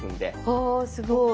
はあすごい。